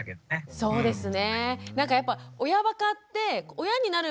そうですよね。